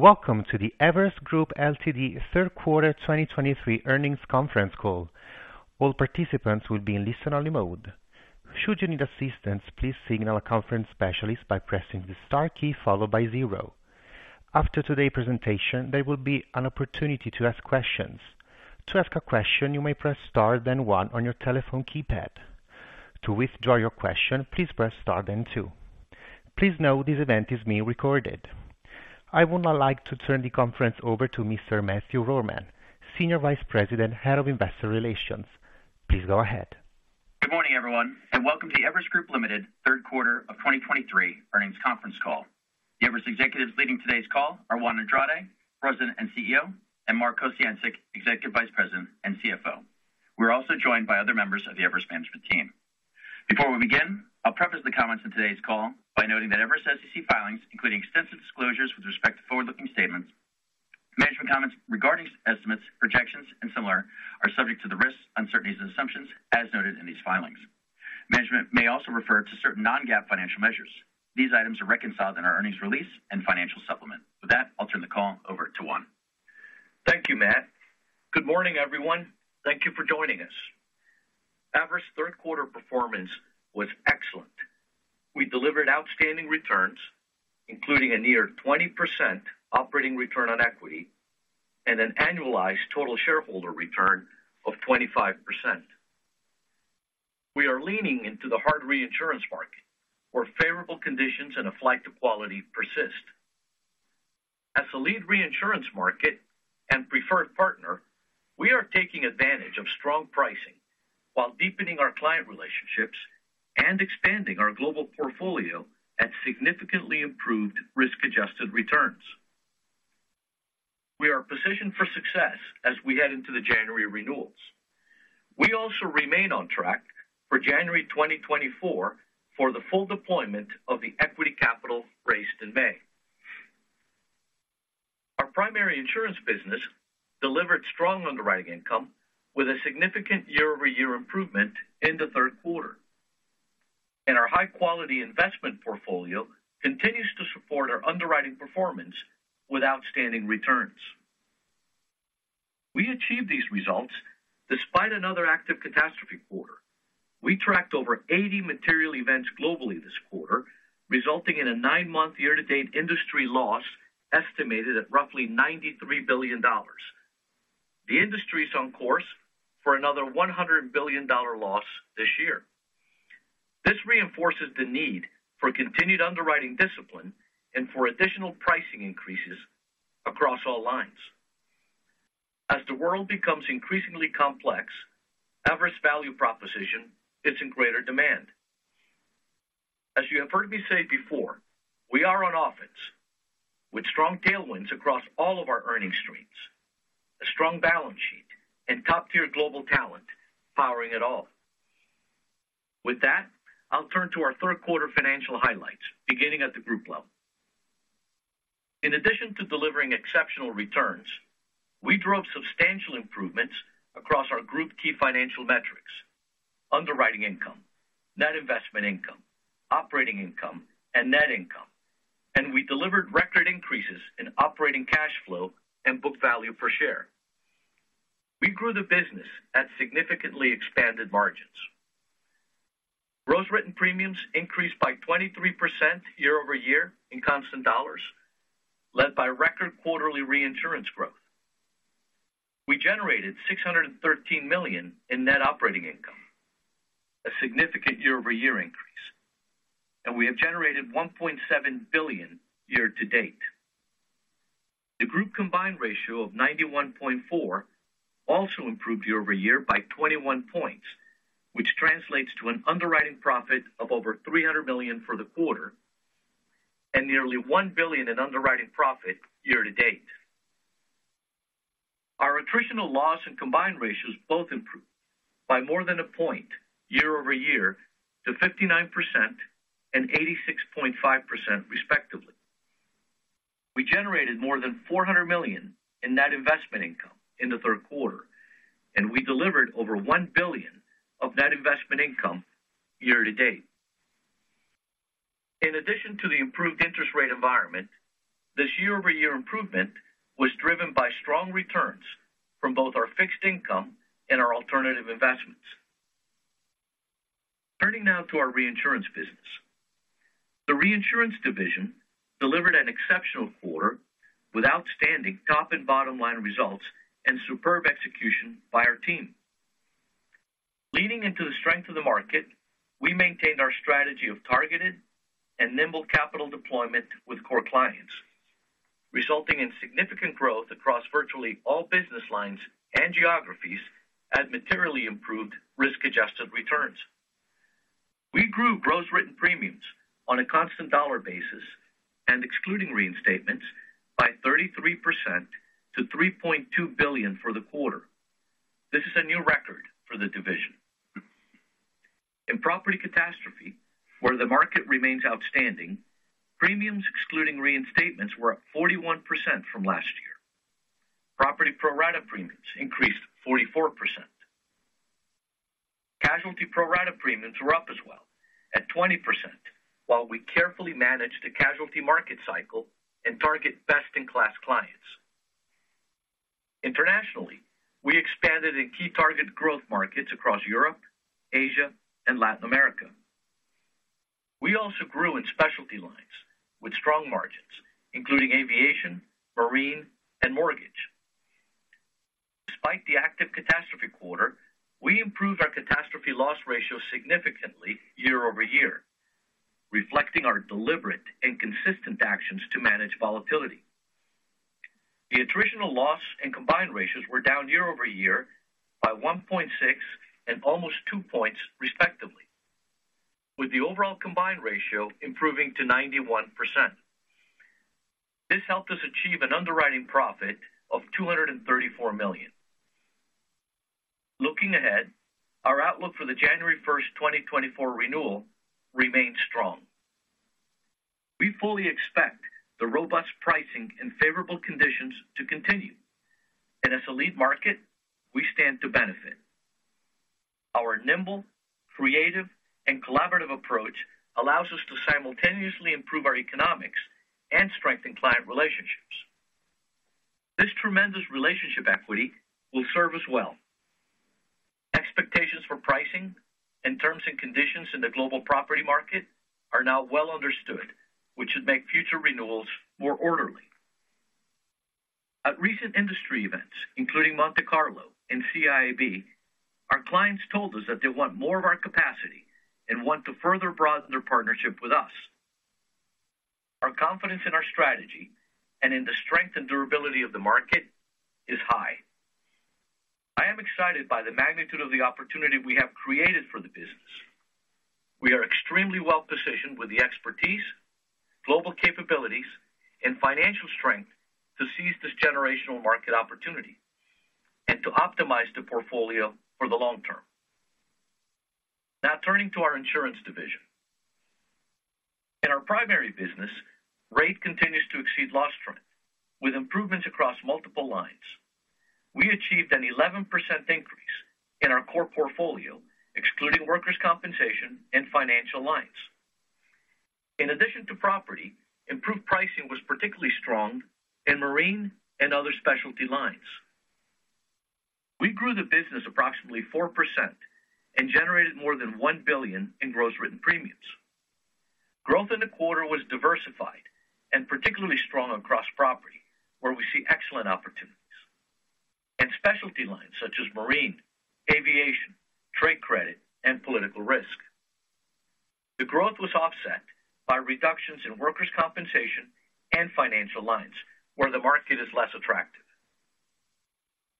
Welcome to the Everest Group, Ltd. Third Quarter 2023 Earnings Conference Call. All participants will be in listen-only mode. Should you need assistance, please signal a conference specialist by pressing the star key followed by zero. After today's presentation, there will be an opportunity to ask questions. To ask a question, you may press Star, then one on your telephone keypad. To withdraw your question, please press Star, then two. Please note this event is being recorded. I would now like to turn the conference over to Mr. Matthew Rohrmann, Senior Vice President, Head of Investor Relations. Please go ahead. Good morning, everyone, and welcome to the Everest Group, Ltd. third quarter of 2023 Earnings Conference Call. The Everest executives leading today's call are Juan Andrade, President and CEO, and Mark Kociancic, Executive Vice President and CFO. We're also joined by other members of the Everest management team. Before we begin, I'll preface the comments in today's call by noting that Everest SEC filings, including extensive disclosures with respect to forward-looking statements, management comments regarding estimates, projections, and similar, are subject to the risks, uncertainties and assumptions as noted in these filings. Management may also refer to certain non-GAAP financial measures. These items are reconciled in our earnings release and financial supplement. With that, I'll turn the call over to Juan. Thank you, Matt. Good morning, everyone. Thank you for joining us. Everest third quarter performance was excellent. We delivered outstanding returns, including a near 20 operating return on equity and an annualized total shareholder return of 25%. We are leaning into the hard reinsurance market, where favorable conditions and a flight to quality persist. As a lead reinsurance market and preferred partner, we are taking advantage of strong pricing while deepening our client relationships and expanding our global portfolio at significantly improved risk-adjusted returns. We are positioned for success as we head into the January renewals. We also remain on track for January 2024 for the full deployment of the equity capital raised in May. Our primary insurance business delivered strong underwriting income with a significant year-over-year improvement in the third quarter, and our high-quality investment portfolio continues to support our underwriting performance with outstanding returns. We achieved these results despite another active catastrophe quarter. We tracked over 80 material events globally this quarter, resulting in a nine-month year-to-date industry loss estimated at roughly $93 billion. The industry is on course for another $100 billion loss this year. This reinforces the need for continued underwriting discipline and for additional pricing increases across all lines. As the world becomes increasingly complex, Everest value proposition is in greater demand. As you have heard me say before, we are on offense with strong tailwinds across all of our earning streams, a strong balance sheet and top-tier global talent powering it all. With that, I'll turn to our third quarter financial highlights, beginning at the group level. In addition to delivering exceptional returns, we drove substantial improvements across our group key financial metrics, underwriting income, net investment income, operating income, and net income, and we delivered record increases in operating cash flow and book value per share. We grew the business at significantly expanded margins. Gross written premiums increased by 23% year-over-year in constant dollars, led by record quarterly reinsurance growth. We generated $613 million in net operating income, a significant year-over-year increase, and we have generated $1.7 billion year-to-date. The group combined ratio of 91.4 also improved year-over-year by 21 points, which translates to an underwriting profit of over $300 million for the quarter and nearly $1 billion in underwriting profit year-to-date. Our attritional loss and combined ratios both improved by more than a point year-over-year to 59% and 86.5%, respectively. We generated more than $400 million in net investment income in the third quarter, and we delivered over $1 billion of net investment income year-to-date. In addition to the improved interest rate environment, this year-over-year improvement was driven by strong returns from both our fixed income and our alternative investments. Turning now to our reinsurance business. The reinsurance division delivered an exceptional quarter with outstanding top- and bottom-line results and superb execution by our team. Leading into the strength of the market, we maintained our strategy of targeted and nimble capital deployment with core clients, resulting in significant growth across virtually all business lines and geographies at materially improved risk-adjusted returns. We grew gross written premiums on a constant dollar basis and excluding reinstatements, by 33% to $3.2 billion for the quarter. This is a new record for the division. In property catastrophe, where the market remains outstanding, premiums, excluding reinstatements, were up 41% from last year. Property pro rata premiums increased 44%.... Casualty pro rata premiums were up as well, at 20%, while we carefully managed the casualty market cycle and target best-in-class clients. Internationally, we expanded in key target growth markets across Europe, Asia, and Latin America. We also grew in specialty lines with strong margins, including aviation, marine, and mortgage. Despite the active catastrophe quarter, we improved our catastrophe loss ratio significantly year-over-year, reflecting our deliberate and consistent actions to manage volatility. The attritional loss and combined ratios were down year-over-year by 1.6 and almost 2 points, respectively, with the overall combined ratio improving to 91%. This helped us achieve an underwriting profit of $234 million. Looking ahead, our outlook for the January 1, 2024 renewal remains strong. We fully expect the robust pricing and favorable conditions to continue, and as a lead market, we stand to benefit. Our nimble, creative and collaborative approach allows us to simultaneously improve our economics and strengthen client relationships. This tremendous relationship equity will serve us well. Expectations for pricing and terms and conditions in the global property market are now well understood, which should make future renewals more orderly. At recent industry events, including Monte Carlo and CIAB, our clients told us that they want more of our capacity and want to further broaden their partnership with us. Our confidence in our strategy and in the strength and durability of the market is high. I am excited by the magnitude of the opportunity we have created for the business. We are extremely well-positioned with the expertise, global capabilities, and financial strength to seize this generational market opportunity and to optimize the portfolio for the long term. Now, turning to our insurance division. In our primary business, rate continues to exceed loss trend with improvements across multiple lines. We achieved an 11% increase in our core portfolio, excluding workers' compensation and financial lines. In addition to property, improved pricing was particularly strong in marine and other specialty lines. We grew the business approximately 4% and generated more than $1 billion in gross written premiums. Growth in the quarter was diversified and particularly strong across property, where we see excellent opportunities, and specialty lines such as marine, aviation, trade credit, and political risk. The growth was offset by reductions in workers' compensation and financial lines, where the market is less attractive.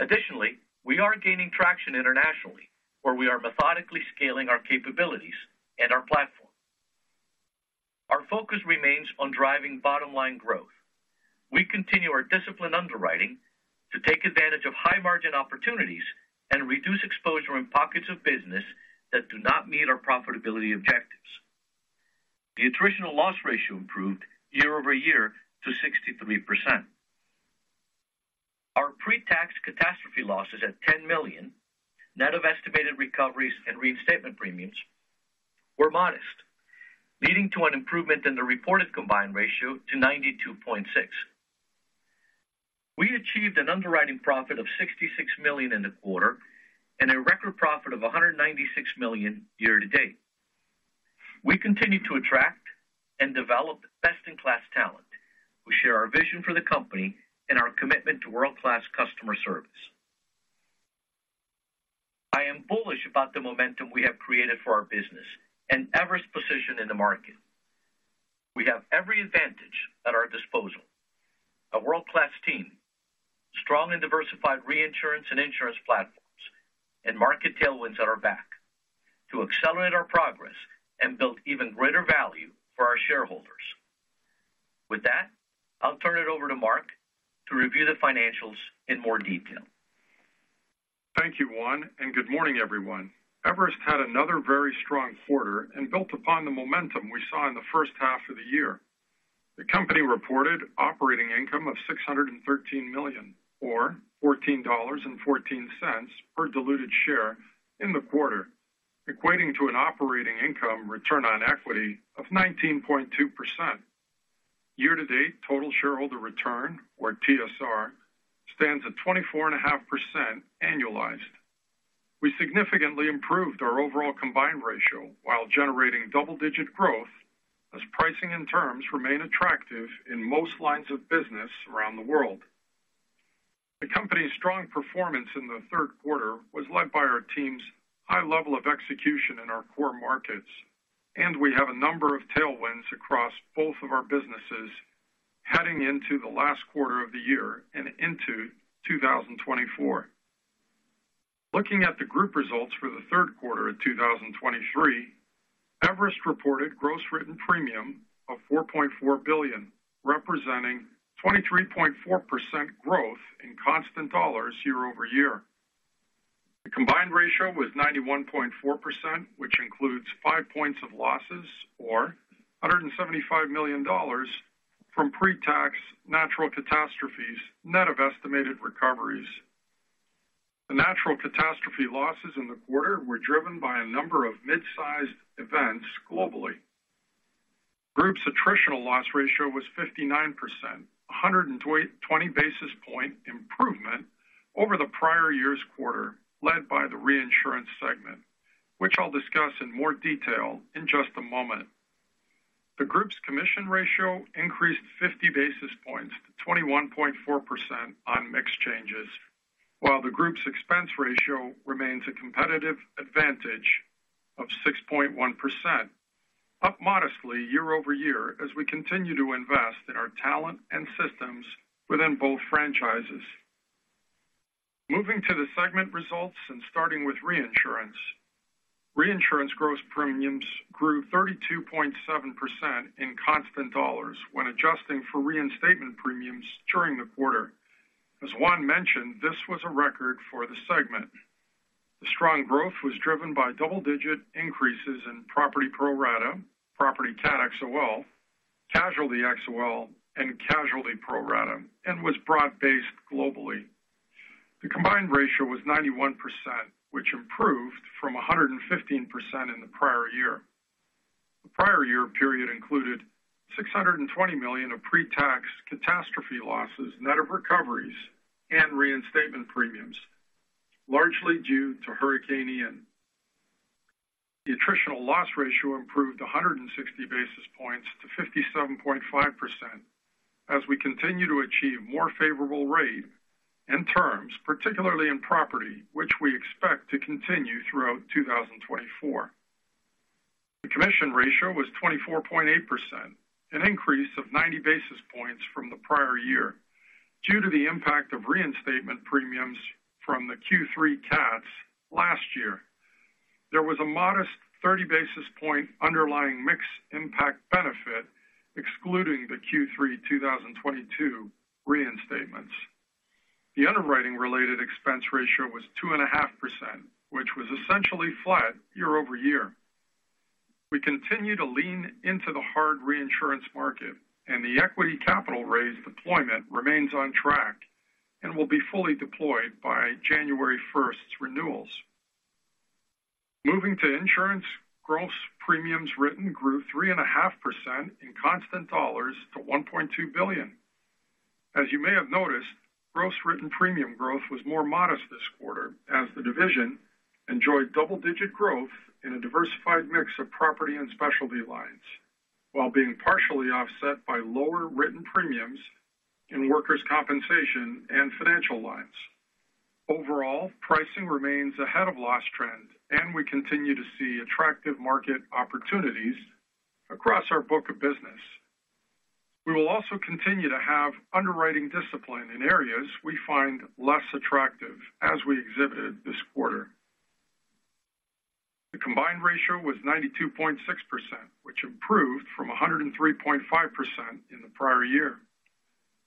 Additionally, we are gaining traction internationally, where we are methodically scaling our capabilities and our platform. Our focus remains on driving bottom-line growth. We continue our disciplined underwriting to take advantage of high-margin opportunities and reduce exposure in pockets of business that do not meet our profitability objectives. The attritional loss ratio improved year-over-year to 63%. Our pre-tax catastrophe losses at $10 million, net of estimated recoveries and reinstatement premiums, were modest, leading to an improvement in the reported combined ratio to 92.6. We achieved an underwriting profit of $66 million in the quarter and a record profit of $196 million year to date. We continue to attract and develop best-in-class talent, who share our vision for the company and our commitment to world-class customer service. I am bullish about the momentum we have created for our business and Everest's position in the market. We have every advantage at our disposal, a world-class team, strong and diversified reinsurance and insurance platforms, and market tailwinds at our back to accelerate our progress and build even greater value for our shareholders. With that, I'll turn it over to Mark to review the financials in more detail. Thank you, Juan, and good morning, everyone. Everest had another very strong quarter and built upon the momentum we saw in the first half of the year. The company reported operating income of $613 million, or $14.14 per diluted share in the quarter, equating to an operating income return on equity of 19.2%. Year-to-date total shareholder return, or TSR, stands at 24.5% annualized. We significantly improved our overall combined ratio while generating double-digit growth, as pricing and terms remain attractive in most lines of business around the world. The company's strong performance in the third quarter was led by our team's high level of execution in our core markets, and we have a number of tailwinds across both of our businesses heading into the last quarter of the year and into 2024. Looking at the group results for the third quarter of 2023, Everest reported gross written premium of $4.4 billion, representing 23.4% growth in constant dollars year-over-year. The combined ratio was 91.4%, includes 5 points of losses, or $175 million from pre-tax natural catastrophes, net of estimated recoveries. The natural catastrophe losses in the quarter were driven by a number of mid-sized events globally. Group's attritional loss ratio was 59%, a 120 basis point improvement over the prior year's quarter, led by the reinsurance segment, which I'll discuss in more detail in just a moment. The group's commission ratio increased 50 basis points to 21.4% on mixed changes, while the group's expense ratio remains a competitive advantage of 6.1%, up modestly year-over-year as we continue to invest in our talent and systems within both franchises. Moving to the segment results and starting with reinsurance. Reinsurance gross premiums grew 32.7% in constant dollars when adjusting for reinstatement premiums during the quarter. As Juan mentioned, this was a record for the segment. The strong growth was driven by double-digit increases in property pro rata, property cat XOL, casualty XOL, and casualty pro rata, and was broad-based globally. The combined ratio was 91%, which improved from 115% in the prior year. The prior year period included $620 million of pre-tax catastrophe losses, net of recoveries and reinstatement premiums, largely due to Hurricane Ian. The attritional loss ratio improved 160 basis points to 57.5%, as we continue to achieve more favorable rate and terms, particularly in property, which we expect to continue throughout 2024. The commission ratio was 24.8%, an increase of 90 basis points from the prior year, due to the impact of reinstatement premiums from the Q3 cats last year. There was a modest 30 basis point underlying mix impact benefit, excluding the Q3 2022 reinstatements. The underwriting-related expense ratio was 2.5%, which was essentially flat year-over-year. We continue to lean into the hard reinsurance market, and the equity capital raise deployment remains on track and will be fully deployed by January first's renewals. Moving to insurance, gross premiums written grew 3.5% in constant dollars to $1.2 billion. As you may have noticed, gross written premium growth was more modest this quarter, as the division enjoyed double-digit growth in a diversified mix of property and specialty lines, while being partially offset by lower written premiums in workers' compensation and financial lines. Overall, pricing remains ahead of loss trend, and we continue to see attractive market opportunities across our book of business. We will also continue to have underwriting discipline in areas we find less attractive, as we exhibited this quarter. The combined ratio was 92.6%, which improved from 103.5% in the prior year.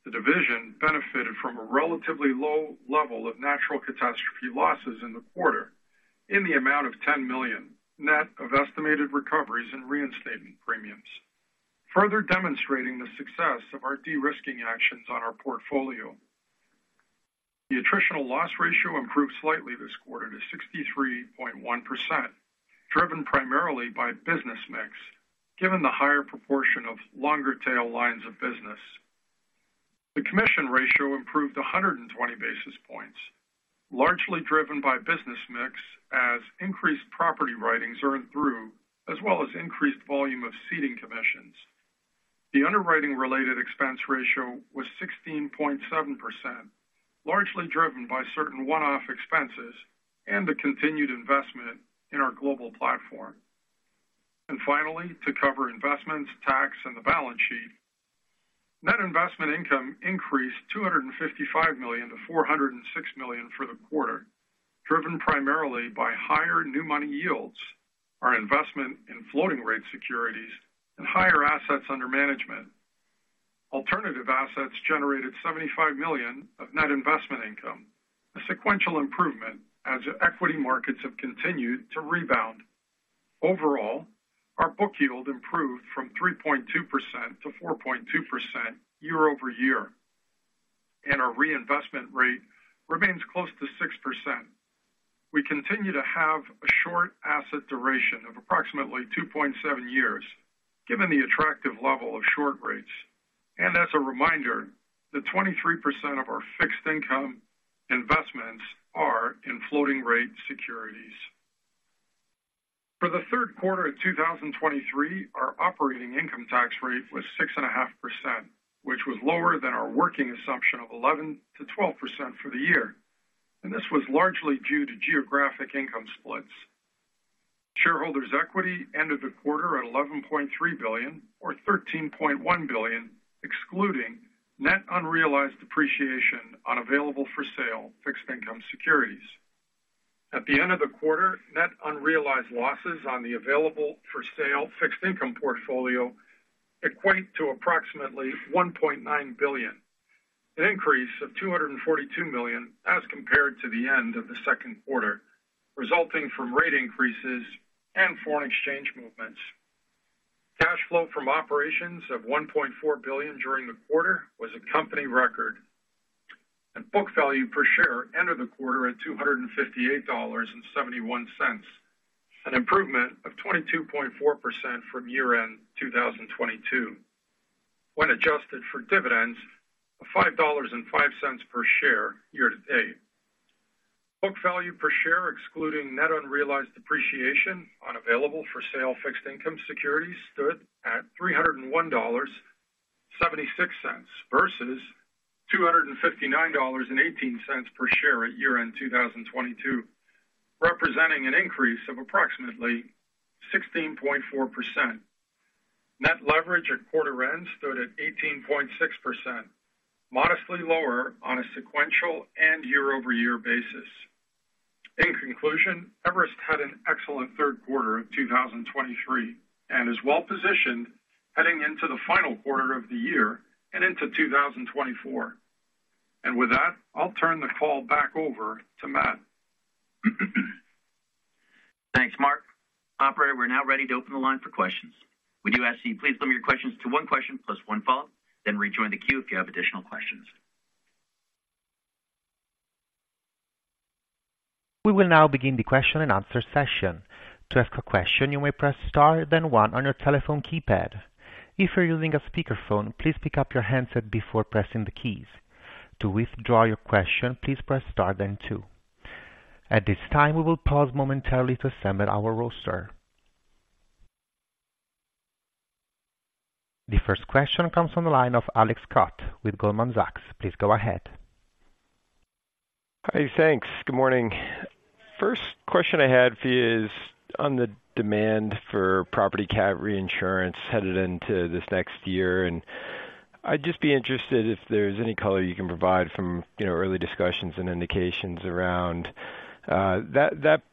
The division benefited from a relatively low level of natural catastrophe losses in the quarter in the amount of $10 million, net of estimated recoveries and reinstatement premiums, further demonstrating the success of our de-risking actions on our portfolio. The attritional loss ratio improved slightly this quarter to 63.1%, driven primarily by business mix, given the higher proportion of longer-tail lines of business. The commission ratio improved 120 basis points, largely driven by business mix as increased property writings earned through, as well as increased volume of ceding commissions. The underwriting-related expense ratio was 16.7%, largely driven by certain one-off expenses and the continued investment in our global platform. Finally, to cover investments, tax, and the balance sheet. Net investment income increased $255 million to $406 million for the quarter, driven primarily by higher new money yields, our investment in floating rate securities, and higher assets under management. Alternative assets generated $75 million of net investment income, a sequential improvement as equity markets have continued to rebound. Overall, our book yield improved from 3.2% to 4.2% year over year, and our reinvestment rate remains close to 6%. We continue to have a short asset duration of approximately 2.7 years, given the attractive level of short rates. As a reminder, 23% of our fixed income investments are in floating rate securities. For the third quarter of 2023, our operating income tax rate was 6.5%, which was lower than our working assumption of 11%-12% for the year, and this was largely due to geographic income splits. Shareholders' equity ended the quarter at $11.3 billion or $13.1 billion, excluding net unrealized appreciation on available-for-sale fixed income securities. At the end of the quarter, net unrealized losses on the available-for-sale fixed income portfolio equate to approximately $1.9 billion.... an increase of $242 million as compared to the end of the second quarter, resulting from rate increases and foreign exchange movements. Cash flow from operations of $1.4 billion during the quarter was a company record, and book value per share ended the quarter at $258.71, an improvement of 22.4% from year-end 2022, when adjusted for dividends of $5.05 per share year-to-date. Book value per share, excluding net unrealized depreciation on available-for-sale fixed income securities, stood at $301.76 versus $259.18 per share at year-end 2022, representing an increase of approximately 16.4%. Net leverage at quarter end stood at 18.6%, modestly lower on a sequential and year-over-year basis. In conclusion, Everest had an excellent third quarter of 2023 and is well-positioned heading into the final quarter of the year and into 2024. With that, I'll turn the call back over to Matt. Thanks, Mark. Operator, we're now ready to open the line for questions. We do ask you, please limit your questions to one question plus one follow-up, then rejoin the queue if you have additional questions. We will now begin the question and answer session. To ask a question, you may press Star, then one on your telephone keypad. If you're using a speakerphone, please pick up your handset before pressing the keys. To withdraw your question, please press Star then two. At this time, we will pause momentarily to assemble our roster. The first question comes from the line of Alex Scott with Goldman Sachs. Please go ahead. Hi, thanks. Good morning. First question I had for you is on the demand for property cat reinsurance headed into this next year, and I'd just be interested if there's any color you can provide from, you know, early discussions and indications around, that, that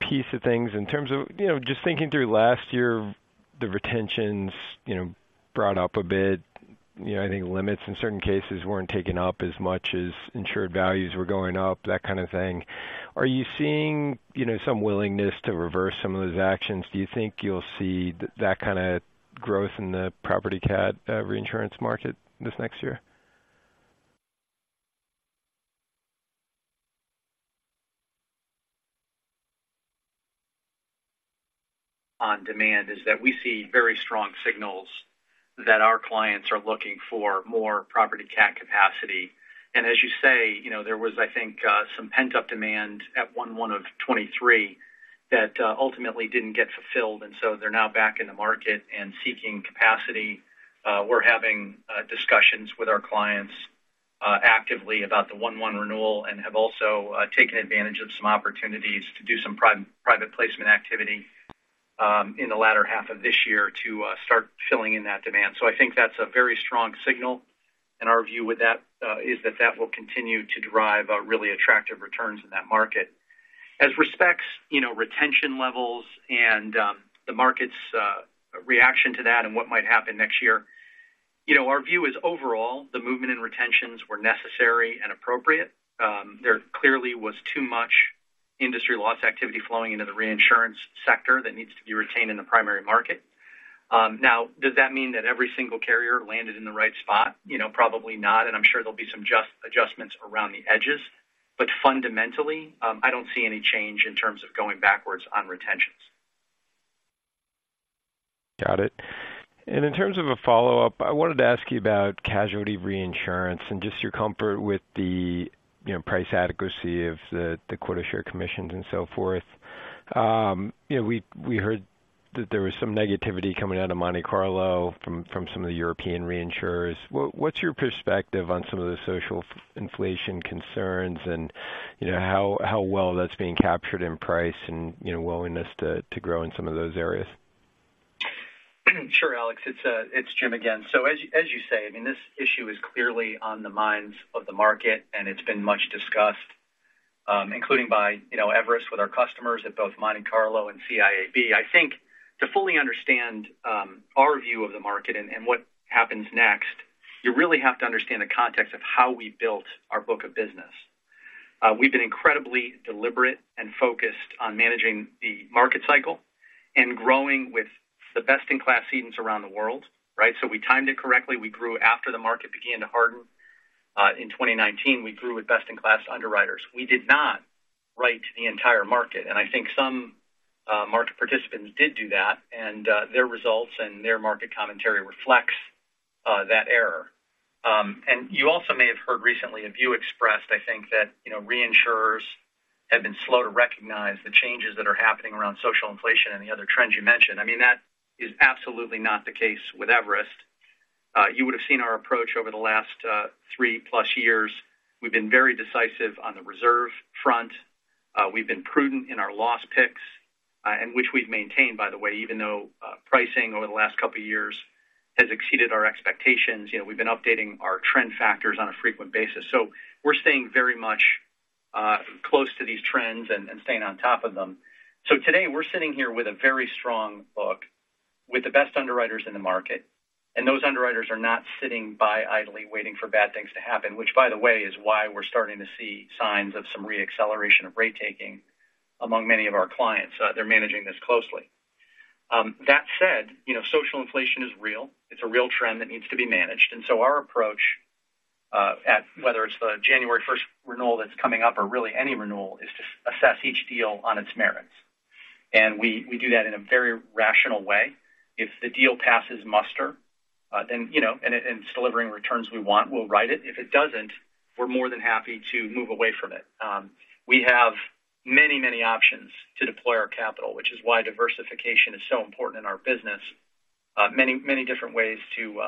piece of things in terms of, you know, just thinking through last year, the retentions, you know, brought up a bit. You know, I think limits in certain cases weren't taken up as much as insured values were going up, that kind of thing. Are you seeing, you know, some willingness to reverse some of those actions? Do you think you'll see that kind of growth in the property cat, reinsurance market this next year? On demand is that we see very strong signals that our clients are looking for more property cat capacity. And as you say, you know, there was, I think, some pent-up demand at 1/1 of 2023 that ultimately didn't get fulfilled, and so they're now back in the market and seeking capacity. We're having discussions with our clients actively about the 1/1 renewal and have also taken advantage of some opportunities to do some private placement activity in the latter half of this year to start filling in that demand. So I think that's a very strong signal, and our view with that is that that will continue to drive really attractive returns in that market. As respects, you know, retention levels and, the market's, reaction to that and what might happen next year, you know, our view is overall, the movement in retentions were necessary and appropriate. There clearly was too much industry loss activity flowing into the reinsurance sector that needs to be retained in the primary market. Now, does that mean that every single carrier landed in the right spot? You know, probably not, and I'm sure there'll be some adjustments around the edges. But fundamentally, I don't see any change in terms of going backwards on retentions. Got it. And in terms of a follow-up, I wanted to ask you about casualty reinsurance and just your comfort with the, you know, price adequacy of the quota share commissions and so forth. You know, we heard that there was some negativity coming out of Monte Carlo from, from some of the European reinsurers. What's your perspective on some of the social inflation concerns and, you know, how, how well that's being captured in price and, you know, willingness to, to grow in some of those areas? Sure, Alex, it's Jim again. So as you say, I mean, this issue is clearly on the minds of the market, and it's been much discussed, including by, you know, Everest with our customers at both Monte Carlo and CIAB. I think to fully understand our view of the market and what happens next, you really have to understand the context of how we built our book of business. We've been incredibly deliberate and focused on managing the market cycle and growing with the best-in-class cedents around the world, right? So we timed it correctly. We grew after the market began to harden. In 2019, we grew with best-in-class underwriters. We did not write to the entire market, and I think some market participants did do that, and their results and their market commentary reflects that error. And you also may have heard recently a view expressed, I think, that, you know, reinsurers have been slow to recognize the changes that are happening around social inflation and the other trends you mentioned. I mean, that is absolutely not the case with Everest. You would have seen our approach over the last three-plus years. We've been very decisive on the reserve front. We've been prudent in our loss picks, and which we've maintained, by the way, even though pricing over the last couple of years has exceeded our expectations. You know, we've been updating our trend factors on a frequent basis. So we're staying very much close to these trends and staying on top of them. So today, we're sitting here with a very strong book, with the best underwriters in the market, and those underwriters are not sitting by idly waiting for bad things to happen, which, by the way, is why we're starting to see signs of some reacceleration of rate taking among many of our clients. They're managing this closely. That said, you know, social inflation is real. It's a real trend that needs to be managed. And so our approach, at whether it's the January first renewal that's coming up or really any renewal, is to assess each deal on its merits. And we do that in a very rational way. If the deal passes muster, then, you know, and it's delivering returns we want, we'll write it. If it doesn't, we're more than happy to move away from it. We have many, many options to deploy our capital, which is why diversification is so important in our business. Many, many different ways to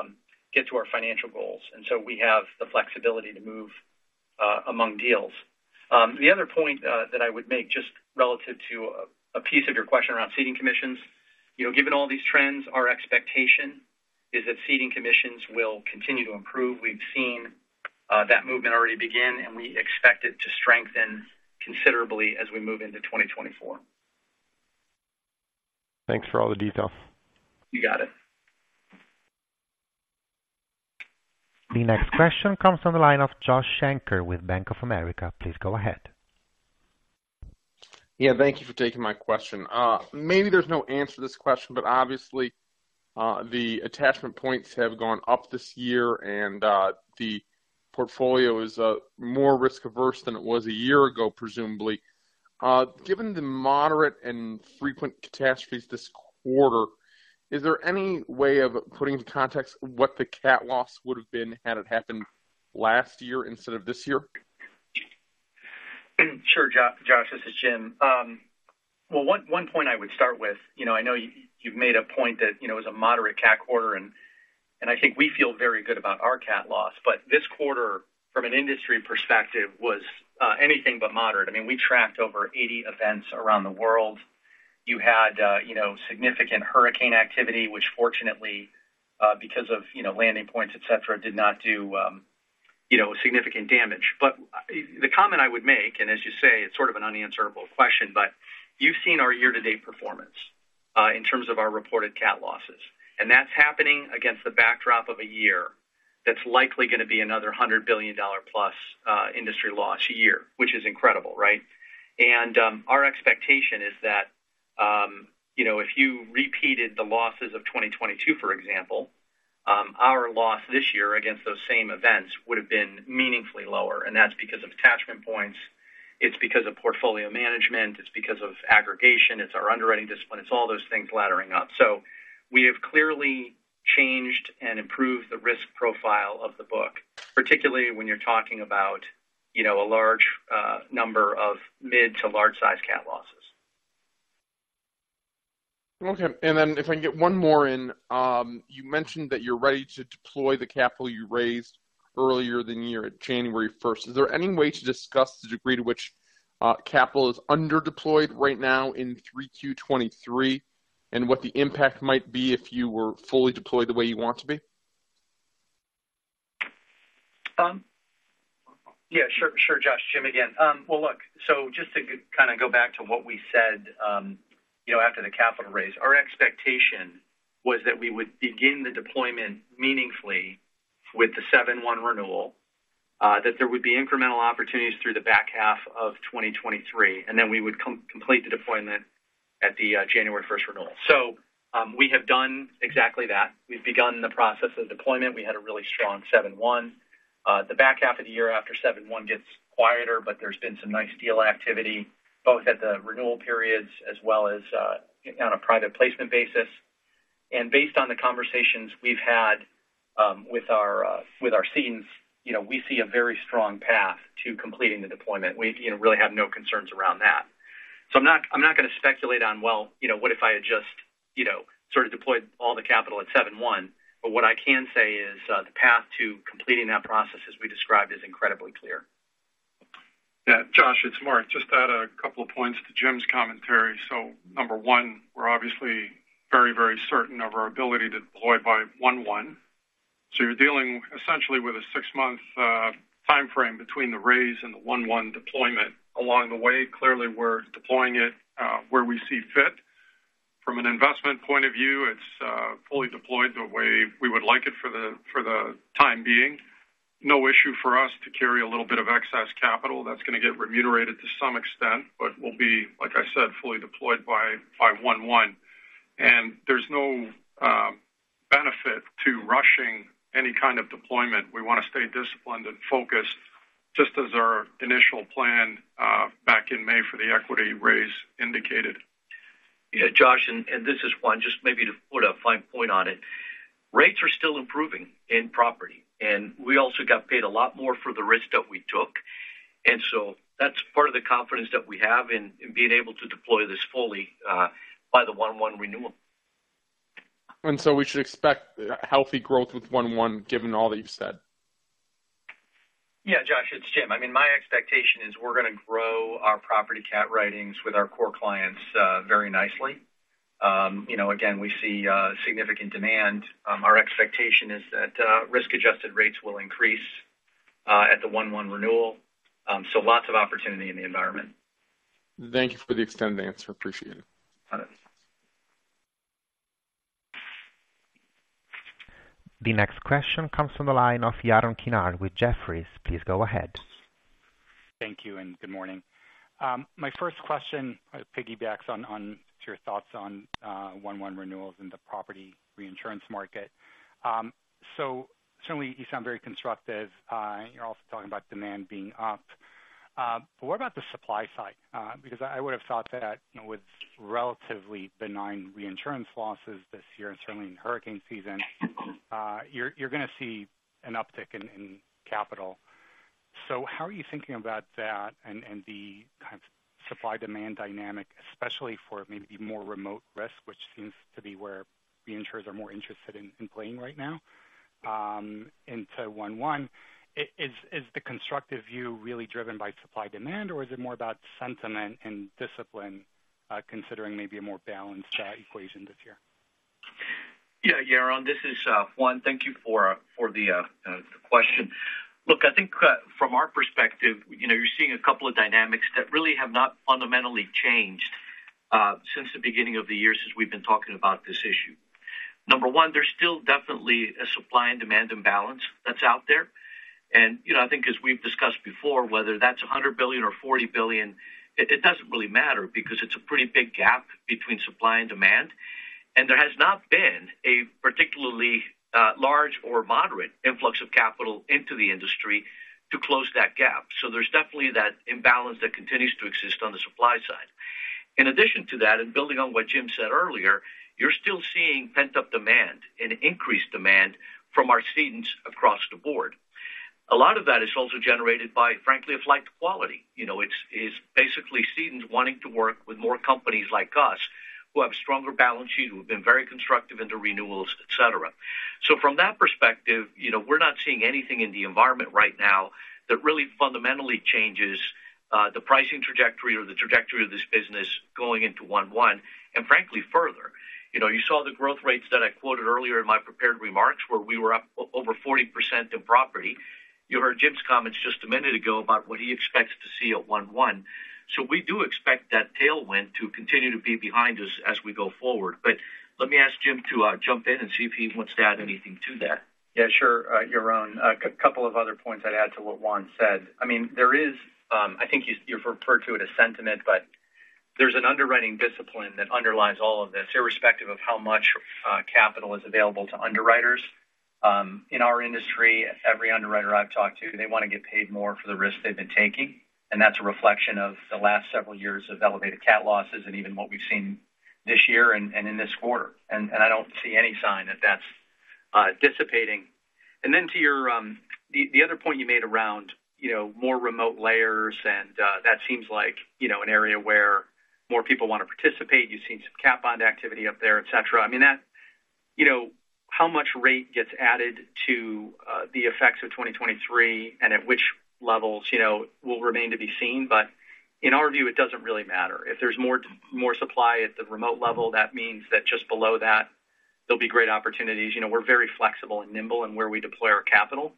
get to our financial goals, and so we have the flexibility to move among deals. The other point that I would make, just relative to a piece of your question around ceding commissions. You know, given all these trends, our expectation is that ceding commissions will continue to improve. We've seen that movement already begin, and we expect it to strengthen considerably as we move into 2024. Thanks for all the detail. You got it. The next question comes from the line of Josh Shanker with Bank of America. Please go ahead. Yeah, thank you for taking my question. Maybe there's no answer to this question, but obviously, the attachment points have gone up this year, and the portfolio is more risk-averse than it was a year ago, presumably. Given the moderate and frequent catastrophes this quarter, is there any way of putting into context what the cat loss would have been had it happened last year instead of this year? Sure, Josh, this is Jim. Well, one point I would start with, you know, I know you, you've made a point that, you know, it was a moderate cat quarter, and I think we feel very good about our cat loss. But this quarter, from an industry perspective, was anything but moderate. I mean, we tracked over 80 events around the world. You had, you know, significant hurricane activity, which fortunately, because of, you know, landing points, et cetera, did not do, you know, significant damage. But the comment I would make, and as you say, it's sort of an unanswerable question, but you've seen our year-to-date performance, in terms of our reported cat losses. And that's happening against the backdrop of a year that's likely gonna be another $100 billion plus industry loss year, which is incredible, right? Our expectation is that, you know, if you repeated the losses of 2022, for example, our loss this year against those same events would have been meaningfully lower, and that's because of attachment points. It's because of portfolio management, it's because of aggregation, it's our underwriting discipline, it's all those things laddering up. We have clearly changed and improved the risk profile of the book, particularly when you're talking about, you know, a large number of mid to large-size cat losses. Okay. And then if I can get one more in. You mentioned that you're ready to deploy the capital you raised earlier this year at January 1. Is there any way to discuss the degree to which capital is under deployed right now in 3Q 2023, and what the impact might be if you were fully deployed the way you want to be? Yeah, sure, sure, Josh. Jim again. Well, look, so just to kind of go back to what we said, you know, after the capital raise. Our expectation was that we would begin the deployment meaningfully with the 7/1 renewal, that there would be incremental opportunities through the back half of 2023, and then we would complete the deployment at the January 1 renewal. So, we have done exactly that. We've begun the process of deployment. We had a really strong 7/1. The back half of the year after 7/1 gets quieter, but there's been some nice deal activity, both at the renewal periods as well as on a private placement basis. And based on the conversations we've had with our cedents, you know, we see a very strong path to completing the deployment. We, you know, really have no concerns around that. So I'm not, I'm not gonna speculate on, well, you know, what if I had just, you know, sort of deployed all the capital at 71? But what I can say is, the path to completing that process, as we described, is incredibly clear. Yeah, Josh, it's Mark. Just add a couple of points to Jim's commentary. So number 1, we're obviously very, very certain of our ability to deploy by 1/1. So you're dealing essentially with a 6-month time frame between the raise and the 1/1 deployment. Along the way, clearly, we're deploying it where we see fit. From an investment point of view, it's fully deployed the way we would like it for the time being. No issue for us to carry a little bit of excess capital. That's gonna get remunerated to some extent, but will be, like I said, fully deployed by 1/1. And there's no benefit to rushing any kind of deployment. We want to stay disciplined and focused, just as our initial plan back in May for the equity raise indicated. Yeah, Josh, and this is Juan. Just maybe to put a fine point on it. Rates are still improving in property, and we also got paid a lot more for the risk that we took. And so that's part of the confidence that we have in being able to deploy this fully by the 1/1 renewal. So we should expect healthy growth with 1/1, given all that you've said? Yeah, Josh, it's Jim. I mean, my expectation is we're gonna grow our property cat writings with our core clients very nicely. You know, again, we see significant demand. Our expectation is that risk-adjusted rates will increase at the 1/1 renewal. So lots of opportunity in the environment. Thank you for the extended answer. Appreciate it. Got it. The next question comes from the line of Yaron Kinar with Jefferies. Please go ahead. Thank you, and good morning. My first question piggybacks on to your thoughts on 1-1 renewals in the property reinsurance market. So certainly you sound very constructive. You're also talking about demand being up. But what about the supply side? Because I would have thought that, you know, with relatively benign reinsurance losses this year, and certainly in hurricane season, you're going to see an uptick in capital. So how are you thinking about that and the kind of supply-demand dynamic, especially for maybe more remote risk, which seems to be where the insurers are more interested in playing right now, into 1-1? Is the constructive view really driven by supply demand, or is it more about sentiment and discipline, considering maybe a more balanced equation this year? Yeah, Yaron, this is Juan. Thank you for the question. Look, I think from our perspective, you know, you're seeing a couple of dynamics that really have not fundamentally changed since the beginning of the year, since we've been talking about this issue. Number one, there's still definitely a supply and demand imbalance that's out there. And, you know, I think as we've discussed before, whether that's $100 billion or $40 billion, it doesn't really matter because it's a pretty big gap between supply and demand, and there has not been a particularly large or moderate influx of capital into the industry to close that gap. So there's definitely that imbalance that continues to exist on the supply side. In addition to that, and building on what Jim said earlier, you're still seeing pent-up demand and increased demand from our cedants across the board. A lot of that is also generated by, frankly, a flight to quality. You know, it's basically cedants wanting to work with more companies like us, who have stronger balance sheet, who have been very constructive into renewals, et cetera. So from that perspective, you know, we're not seeing anything in the environment right now that really fundamentally changes the pricing trajectory or the trajectory of this business going into 1/1, and frankly, further. You know, you saw the growth rates that I quoted earlier in my prepared remarks, where we were up over 40% in property. You heard Jim's comments just a minute ago about what he expects to see at 1/1. So we do expect that tailwind to continue to be behind us as we go forward. But let me ask Jim to jump in and see if he wants to add anything to that. Yeah, sure, Yaron. A couple of other points I'd add to what Juan said. I mean, there is, I think you, you've referred to it as sentiment, but there's an underwriting discipline that underlies all of this, irrespective of how much capital is available to underwriters. In our industry, every underwriter I've talked to, they want to get paid more for the risk they've been taking, and that's a reflection of the last several years of elevated cat losses and even what we've seen this year and in this quarter, and I don't see any sign that that's dissipating. And then to your, the other point you made around, you know, more remote layers, and that seems like, you know, an area where more people want to participate. You've seen some cat bond activity up there, et cetera. I mean, that, you know, how much rate gets added to the effects of 2023 and at which levels, you know, will remain to be seen, but in our view, it doesn't really matter. If there's more supply at the remote level, that means that just below that, there'll be great opportunities. You know, we're very flexible and nimble in where we deploy our capital,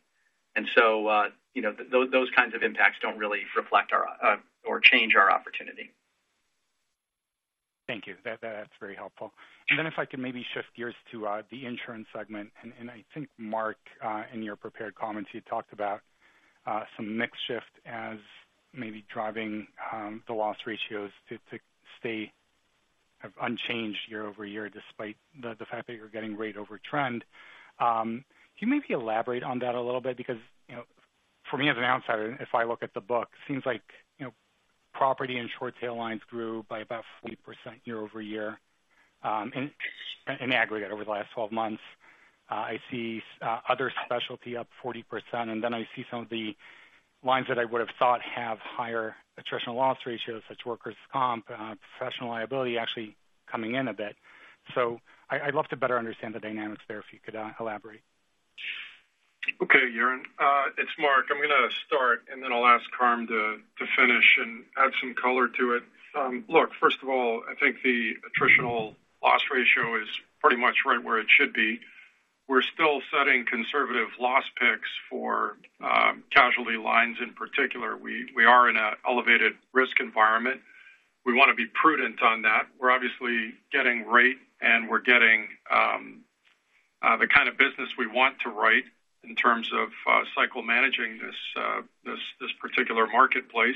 and so, you know, those kinds of impacts don't really reflect our or change our opportunity. Thank you. That, that's very helpful. And then if I could maybe shift gears to the insurance segment, and I think, Mark, in your prepared comments, you talked about some mix shift as maybe driving the loss ratios to stay unchanged year-over-year, despite the fact that you're getting rate over trend. Can you maybe elaborate on that a little bit? Because, you know, for me, as an outsider, if I look at the book, it seems like, you know, property and short tail lines grew by about 40% year-over-year, in aggregate over the last 12 months. I see other specialty up 40%, and then I see some of the lines that I would have thought have higher attritional loss ratios, such workers' comp, professional liability, actually coming in a bit. I'd love to better understand the dynamics there, if you could elaborate. Okay, Yaron. It's Mark. I'm going to start, and then I'll ask Karm to finish and add some color to it. Look, first of all, I think the attritional loss ratio is pretty much right where it should be. We're still setting conservative loss picks for casualty lines in particular. We are in an elevated risk environment. We want to be prudent on that. We're obviously getting rate, and we're getting the kind of business we want to write in terms of cycle managing this particular marketplace.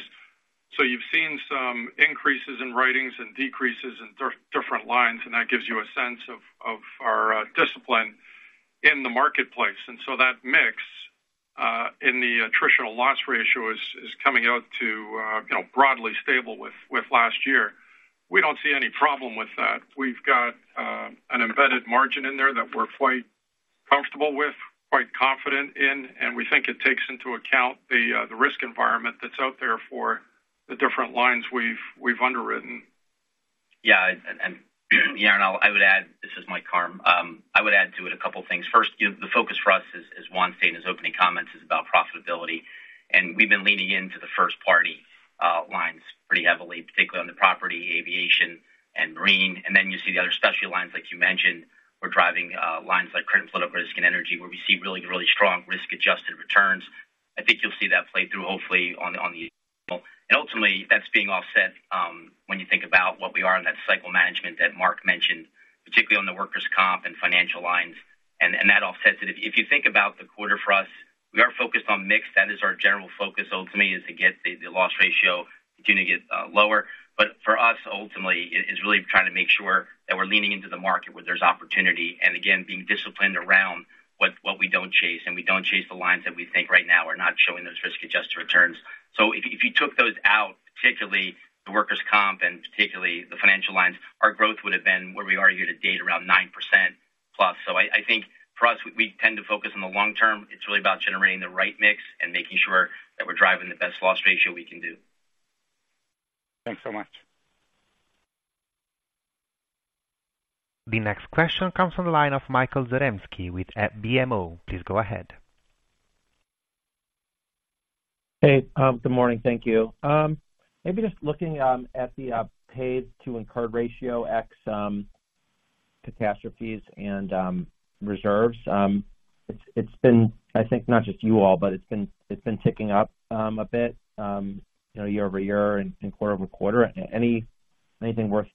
So you've seen some increases in writings and decreases in different lines, and that gives you a sense of our discipline in the marketplace. And so that mix in the attritional loss ratio is coming out to you know, broadly stable with last year. We don't see any problem with that. We've got an embedded margin in there that we're quite comfortable with, quite confident in, and we think it takes into account the, the risk environment that's out there for the different lines we've underwritten. Yeah, Yaron, I'll add a couple things. First, you know, the focus for us, as Juan stated in his opening comments, is about profitability. And we've been leaning into the first-party lines pretty heavily, particularly on the property, aviation, and marine. And then you see the other specialty lines, like you mentioned, we're driving lines like credit and flood, risk and energy, where we see really, really strong risk-adjusted returns. I think you'll see that play through hopefully on the, on the. And ultimately, that's being offset when you think about what we are in that cycle management that Mark mentioned, particularly on the workers' comp and financial lines, and that offsets it. If you think about the quarter for us, we are focused on mix. That is our general focus, ultimately, is to get the loss ratio continue to get lower. But for us, ultimately, it is really trying to make sure that we're leaning into the market where there's opportunity, and again, being disciplined around what we don't chase, and we don't chase the lines that we think right now are not showing those risk-adjusted returns. So if you took those out, particularly the workers' comp and particularly the financial lines, our growth would have been where we are year-to-date, around 9% plus. So I think for us, we tend to focus on the long term. It's really about generating the right mix and making sure that we're driving the best loss ratio we can do. Thanks so much. The next question comes from the line of Michael Zaremski with at BMO. Please go ahead. Hey, good morning. Thank you. Maybe just looking at the paid-to-incurred ratio ex catastrophes and reserves. It's been, I think, not just you all, but it's been ticking up a bit, you know, year-over-year and quarter-over-quarter. Anything worth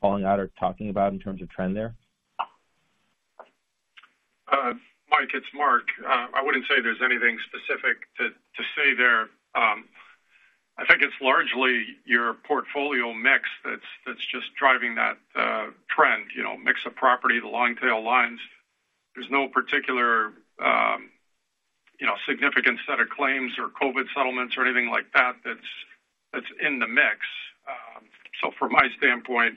calling out or talking about in terms of trend there? Mike, it's Mark. I wouldn't say there's anything specific to say there. I think it's largely your portfolio mix that's just driving that trend, you know, mix of property, the long tail lines. There's no particular, you know, significant set of claims or COVID settlements or anything like that, that's in the mix. So from my standpoint,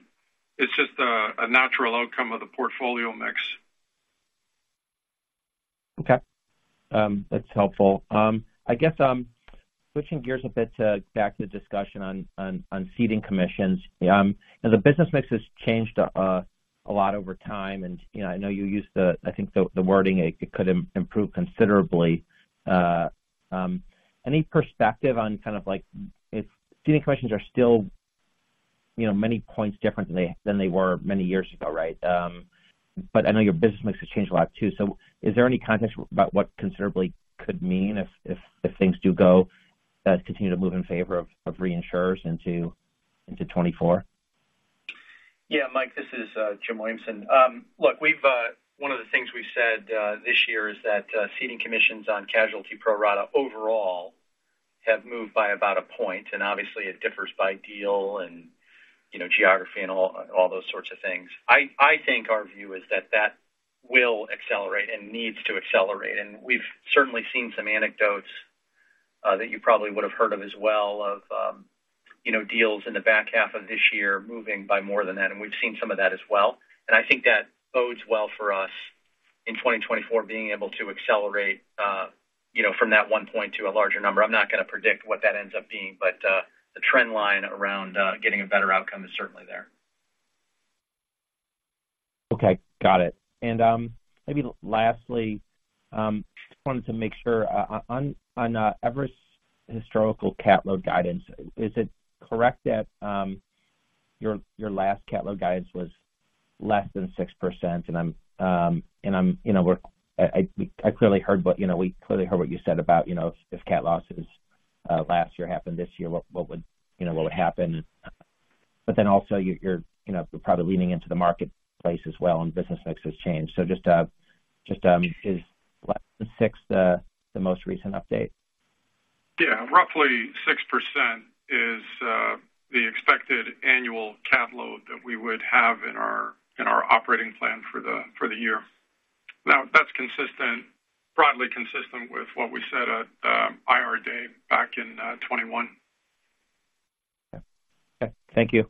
it's just a natural outcome of the portfolio mix. Okay. That's helpful. I guess switching gears a bit to back to the discussion on ceding commissions. You know, the business mix has changed a lot over time, and you know, I know you used the, I think, the wording, it could improve considerably. Any perspective on kind of like if ceding commissions are still, you know, many points different than they were many years ago, right? But I know your business mix has changed a lot, too. So is there any context about what considerably could mean if things do continue to move in favor of reinsurers into 2024? Yeah, Mike, this is Jim Williamson. Look, one of the things we've said this year is that ceding commissions on casualty pro rata overall have moved by about a point, and obviously it differs by deal and, you know, geography and all those sorts of things. I think our view is that that will accelerate and needs to accelerate. And we've certainly seen some anecdotes that you probably would have heard of as well of, you know, deals in the back half of this year moving by more than that, and we've seen some of that as well. And I think that bodes well for us in 2024 being able to accelerate, you know, from that one point to a larger number. I'm not going to predict what that ends up being, but, the trend line around, getting a better outcome is certainly there. Okay, got it. And, maybe lastly, just wanted to make sure, on, on, Everest's historical cat loss guidance, is it correct that, your, your last cat loss guidance was less than 6%? And I'm, and I'm... You know, we're—I, I clearly heard what, you know, we clearly heard what you said about, you know, if, if cat losses, last year happened this year, what, what would, you know, what would happen? But then also, you're, you're, you know, probably leaning into the marketplace as well, and business mix has changed. So just, just, is less than six, the, the most recent update? Yeah. Roughly 6% is the expected annual cat load that we would have in our operating plan for the year. Now, that's consistent, broadly consistent with what we said at IR day back in 2021. Okay. Thank you.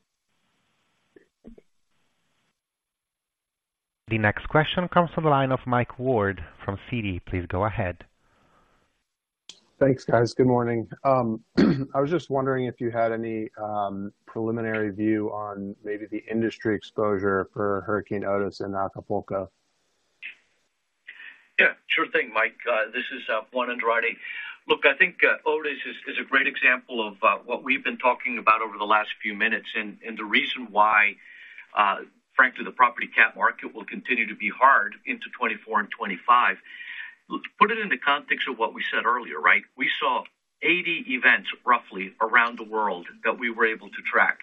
The next question comes from the line of Mike Ward from Citi. Please go ahead. Thanks, guys. Good morning. I was just wondering if you had any preliminary view on maybe the industry exposure for Hurricane Otis in Acapulco? Yeah, sure thing, Mike. This is Juan Andrade. Look, I think Otis is, is a great example of what we've been talking about over the last few minutes, and, and the reason why, frankly, the property cat market will continue to be hard into 2024 and 2025. Put it in the context of what we said earlier, right? We saw 80 events, roughly, around the world that we were able to track.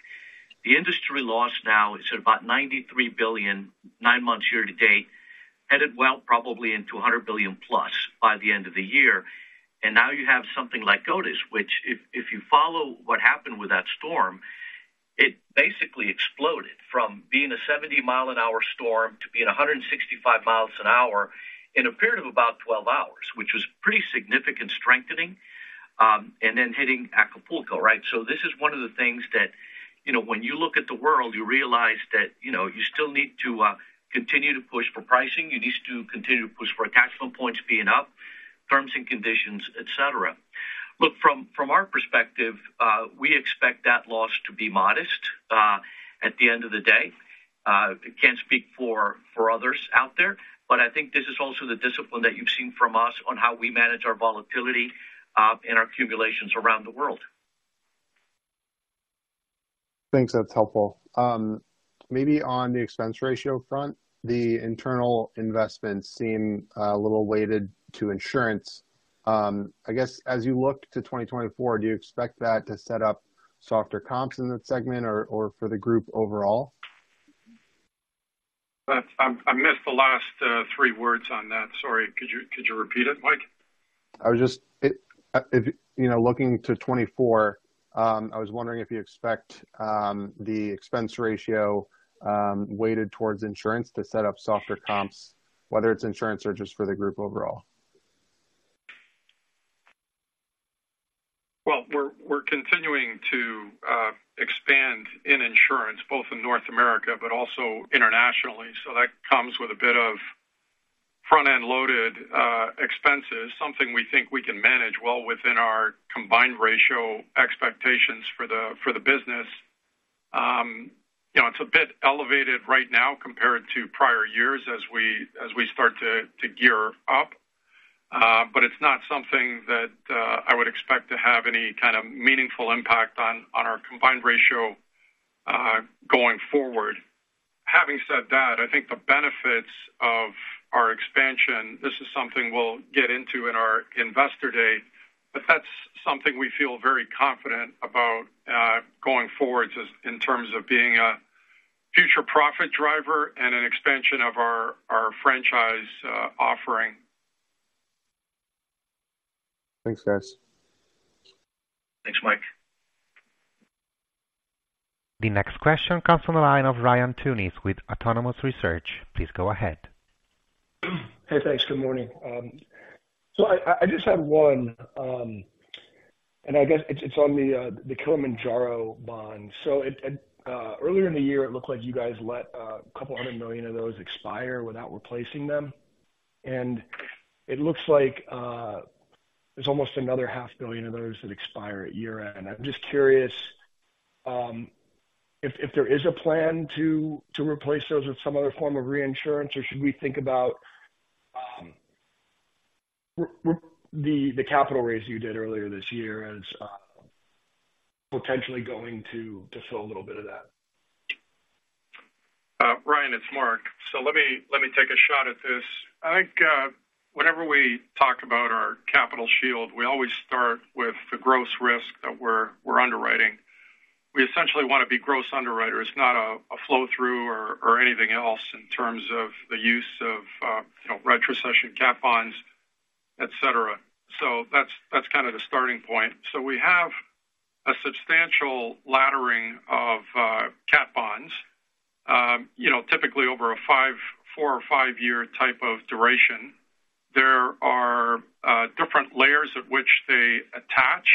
The industry loss now is at about $93 billion, 9 months year to date, headed well, probably into $100 billion plus by the end of the year. And now you have something like Otis, which if you follow what happened with that storm, it basically exploded from being a 70-mile-an-hour storm to being a 165-mile-an-hour storm in a period of about 12 hours, which was pretty significant strengthening, and then hitting Acapulco, right? So this is one of the things that, you know, when you look at the world, you realize that, you know, you still need to continue to push for pricing, you need to continue to push for attachment points being up, terms and conditions, et cetera. Look, from our perspective, we expect that loss to be modest at the end of the day. I can't speak for others out there, but I think this is also the discipline that you've seen from us on how we manage our volatility and our accumulations around the world. Thanks. That's helpful. Maybe on the expense ratio front, the internal investments seem a little weighted to insurance. I guess as you look to 2024, do you expect that to set up softer comps in that segment or for the group overall? But I missed the last three words on that. Sorry. Could you repeat it, Mike? I was just, you know, looking to 2024, I was wondering if you expect the expense ratio weighted towards insurance to set up softer comps, whether it's insurance or just for the group overall? Well, we're continuing to expand in insurance, both in North America, but also internationally. So that comes with a bit of front-end loaded expenses, something we think we can manage well within our combined ratio expectations for the business. You know, it's a bit elevated right now compared to prior years as we start to gear up, but it's not something that I would expect to have any kind of meaningful impact on our combined ratio going forward. Having said that, I think the benefits of our expansion, this is something we'll get into in our investor day, but that's something we feel very confident about going forward just in terms of being a future profit driver and an expansion of our franchise offering. Thanks, guys. Thanks, Mike. The next question comes from the line of Ryan Tunis with Autonomous Research. Please go ahead. Hey, thanks. Good morning. So I just have one, and I guess it's on the Kilimanjaro bond. So earlier in the year, it looked like you guys let $200 million of those expire without replacing them. And it looks like there's almost another $500 million of those that expire at year-end. I'm just curious if there is a plan to replace those with some other form of reinsurance, or should we think about the capital raise you did earlier this year as potentially going to fill a little bit of that? Ryan, it's Mark. So let me, let me take a shot at this. I think, whenever we talk about our capital shield, we always start with the gross risk that we're underwriting. We essentially want to be gross underwriters, not a flow through or anything else in terms of the use of, you know, retrocession, cat bonds, et cetera. So that's kind of the starting point. So we have a substantial laddering of cat bonds, you know, typically over a 4- or 5-year type of duration. There are different layers at which they attach,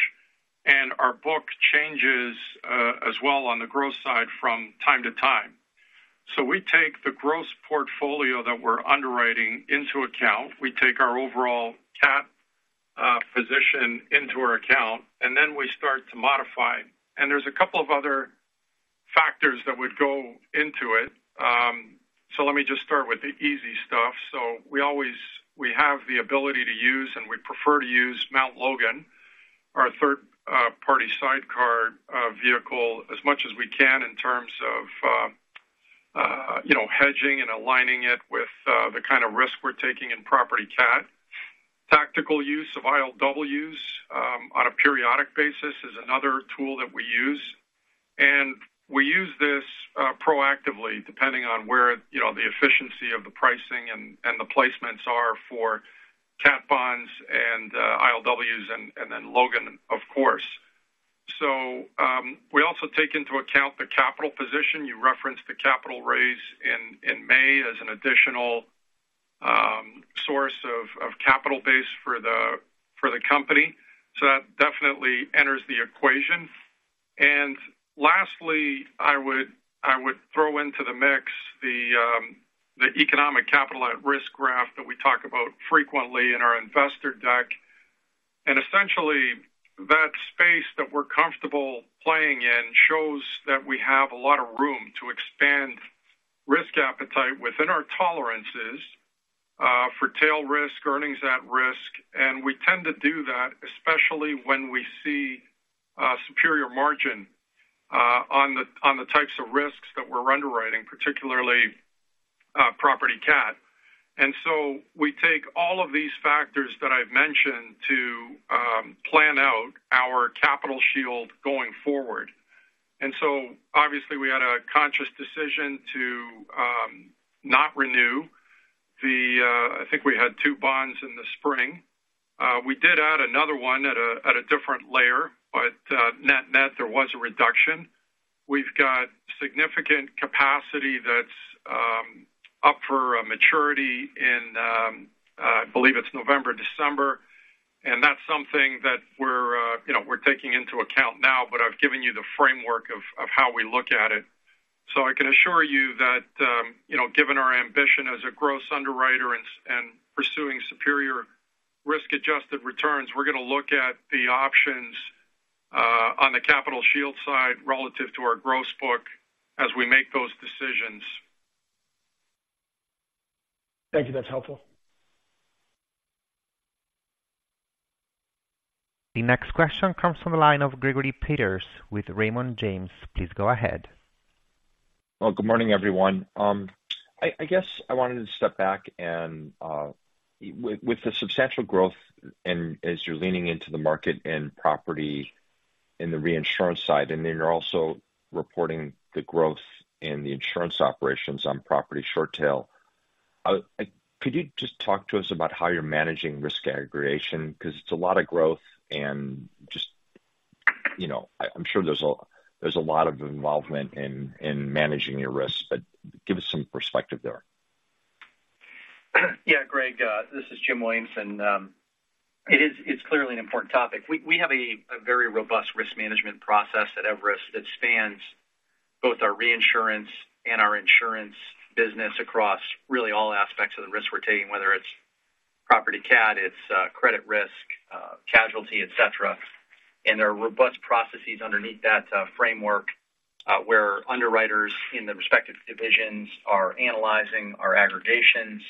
and our book changes as well on the growth side from time to time. So we take the gross portfolio that we're underwriting into account, we take our overall cat position into our account, and then we start to modify. There's a couple of other factors that would go into it. Let me just start with the easy stuff. We always have the ability to use, and we prefer to use Mount Logan, our third-party sidecar vehicle, as much as we can in terms of, you know, hedging and aligning it with the kind of risk we're taking in property cat. Tactical use of ILWs on a periodic basis is another tool that we use, and we use this proactively, depending on where, you know, the efficiency of the pricing and the placements are for cat bonds and ILWs and then Logan, of course. We also take into account the capital position. You referenced the capital raise in May as an additional source of capital base for the company. So that definitely enters the equation. And lastly, I would throw into the mix the economic capital at risk graph that we talk about frequently in our investor deck. And essentially, that space that we're comfortable playing in shows that we have a lot of room to expand risk appetite within our tolerances for tail risk, earnings at risk. And we tend to do that, especially when we see superior margin on the types of risks that we're underwriting, particularly property cat. And so we take all of these factors that I've mentioned to plan out our capital shield going forward. And so obviously, we had a conscious decision to not renew the, I think we had two bonds in the spring. We did add another one at a different layer, but net, net, there was a reduction. We've got significant capacity that's up for a maturity in, I believe it's November, December, and that's something that we're, you know, we're taking into account now, but I've given you the framework of how we look at it.... So I can assure you that, you know, given our ambition as a gross underwriter and pursuing superior risk-adjusted returns, we're going to look at the options on the capital shield side relative to our gross book as we make those decisions. Thank you. That's helpful. The next question comes from the line of Gregory Peters with Raymond James. Please go ahead. Well, good morning, everyone. I guess I wanted to step back and, with the substantial growth and as you're leaning into the market and property in the reinsurance side, and then you're also reporting the growth in the insurance operations on property short tail. Could you just talk to us about how you're managing risk aggregation? Because it's a lot of growth, and just, you know, I'm sure there's a lot of involvement in managing your risk, but give us some perspective there. Yeah, Greg, this is Jim Williamson. It's clearly an important topic. We have a very robust risk management process at Everest that spans both our reinsurance and our insurance business across really all aspects of the risk we're taking, whether it's property cat, credit risk, casualty, et cetera. There are robust processes underneath that framework where underwriters in the respective divisions are analyzing our aggregations,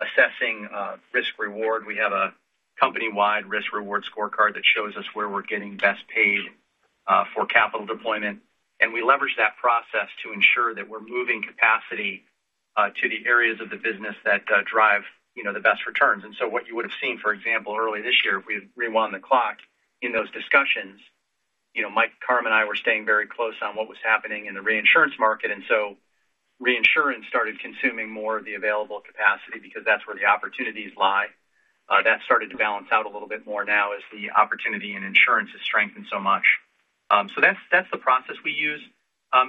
assessing risk reward. We have a company-wide risk reward scorecard that shows us where we're getting best paid for capital deployment, and we leverage that process to ensure that we're moving capacity to the areas of the business that drive, you know, the best returns. And so what you would have seen, for example, early this year, if we rewind the clock in those discussions, you know, Mike Karm, and I were staying very close on what was happening in the reinsurance market, and so reinsurance started consuming more of the available capacity because that's where the opportunities lie. That started to balance out a little bit more now as the opportunity in insurance has strengthened so much. So that's, that's the process we use.